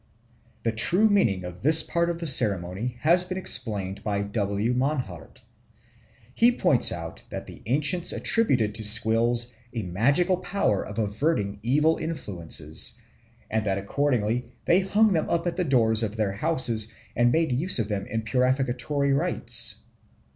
The true meaning of this part of the ceremony has been explained by W. Mannhardt. He points out that the ancients attributed to squills a magical power of averting evil influences, and that accordingly they hung them up at the doors of their houses and made use of them in purificatory rites.